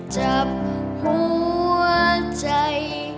จับหัวใจ